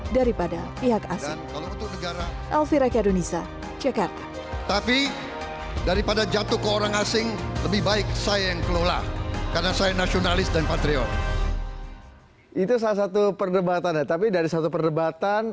daripada pihak asing